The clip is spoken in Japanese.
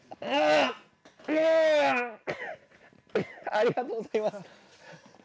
ありがとうございます。